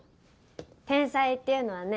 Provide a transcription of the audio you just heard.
天才っていうのはね